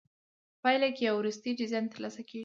په پایله کې یو وروستی ډیزاین ترلاسه کیږي.